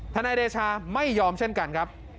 นายเดชาไม่ยอมเช่นกันครับ